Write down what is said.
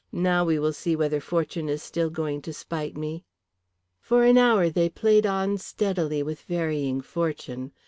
Now, we will see whether fortune is still going to spite me." For an hour they played on steadily with varying fortune.